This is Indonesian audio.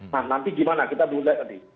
nah nanti gimana kita belum lihat tadi